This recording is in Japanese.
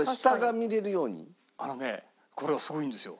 あのねこれがすごいんですよ。